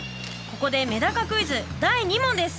ここでメダカクイズ第２問です！